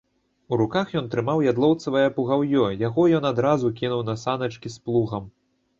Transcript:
У руках ён трымаў ядлаўцовае пугаўё, яго ён адразу кінуў на саначкі з плугам.